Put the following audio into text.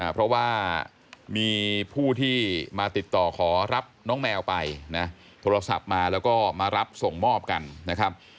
เพราะว่ามีผู้ที่มาติดต่อขอรับน้องแมวไปนะโทรศัพท์มาแล้วก็มารับส่งมอบกันนะครับ